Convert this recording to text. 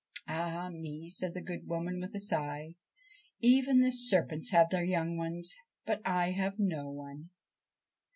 'Ah me, said the good woman with a sigh, 'even the serpents have their young ones, but I have no one.'